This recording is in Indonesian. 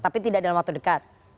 tapi tidak dalam waktu dekat